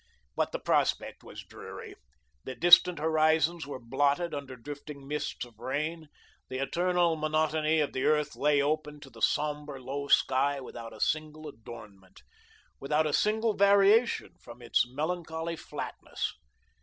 But the prospect was dreary; the distant horizons were blotted under drifting mists of rain; the eternal monotony of the earth lay open to the sombre low sky without a single adornment, without a single variation from its melancholy flatness.